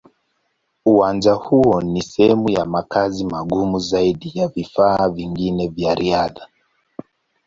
Uwanja huo ni sehemu ya makazi magumu zaidi ya vifaa vingine vya riadha.